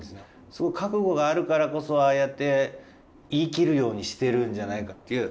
すごく覚悟があるからこそああやって言い切るようにしてるんじゃないかっていう。